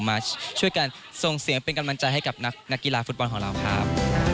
มาช่วยกันส่งเสียงเป็นกำลังใจให้กับนักกีฬาฟุตบอลของเราครับ